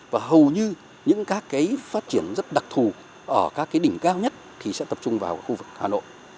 và hầu như những các phát triển rất đặc thù ở các đỉnh cao nhất sẽ tập trung vào khu vực hà nội